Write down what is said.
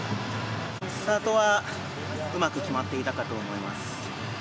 スタートはうまく決まっていたかと思います。